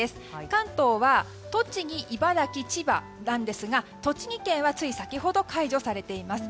関東は、栃木、茨城千葉なんですが栃木県はつい先ほど解除されています。